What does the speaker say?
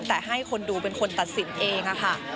แต่ไว้ให้คนดูเป็นคนตัดสินเอง